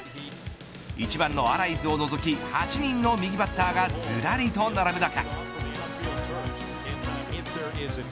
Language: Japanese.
一番のアライズを除き８人の右バッターがずらりと並ぶ中。